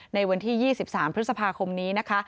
ในวันที่๒๓พฤษภาคมนี้นะคะ